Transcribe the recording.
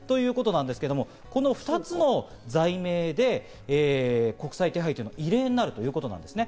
この２つの罪名で国際手配というのは異例になるということですね。